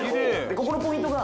ここのポイントが。